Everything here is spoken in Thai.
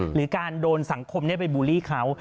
หรือการโดนสังคมไปบูลลี่เขา